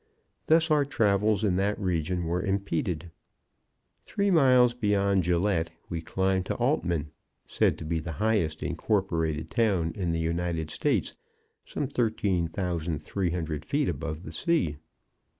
Thus our travels in that region were impeded. Three miles beyond Gillette we climbed to Altman, said to be the highest incorporated town in the United States, some 11,300 feet above the sea.